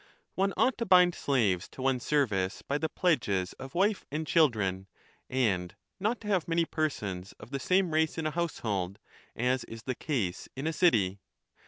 One ought to bind slaves to one s service by the pledges of wife and children, and not to have many persons of the same race in a household, as is the case in a city.